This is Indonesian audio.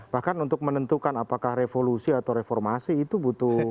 bahkan untuk menentukan apakah revolusi atau reformasi itu butuh